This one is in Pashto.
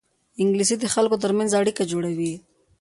انګلیسي د خلکو ترمنځ اړیکه جوړوي